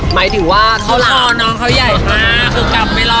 หมายถึงว่าเขารอน้องเขาใหญ่มากคือกลับไม่รอด